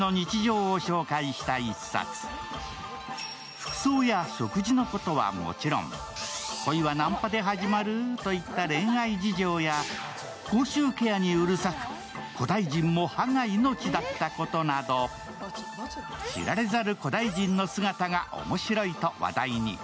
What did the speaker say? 服装や食事のことは、もちろん恋はナンパで始まる？といった恋愛事情や口臭ケアにうるさく、古代人も歯が命だったことなど知られざる古代人の姿が面白いと話題に。